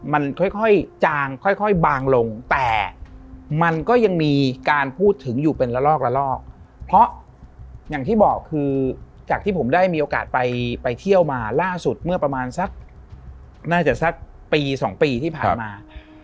มันค่อยจางค่อยบางลงแต่มันก็ยังมีการพูดถึงอยู่เป็นละลอกละลอกเพราะอย่างที่บอกคือจากที่ผมได้มีโอกาสไปเที่ยวมาล่าสุดเมื่อประมาณสักน่าจะสักปีสองปีที่ผ่านมา